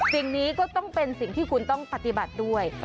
สิ่งนี้ก็ต้องเป็นสิ่งที่คุณต้องปฏิบัติด้วย